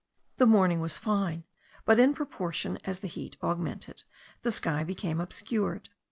The morning was fine; but, in proportion as the heat augmented, the sky became obscured.